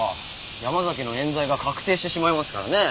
山崎の冤罪が確定してしまいますからね。